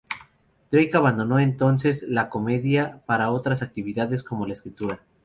Drake abandonó entonces la comedia para otras actividades como la escritura.